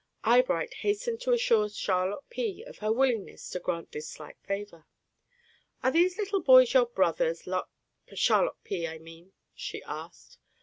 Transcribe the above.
Eyebright hastened to assure Charlotte P. of her willingness to grant this slight favor. "Are these little boys your brothers, Lot Charlotte P., I mean?" she asked.